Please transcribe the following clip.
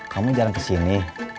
kamu jarang kesini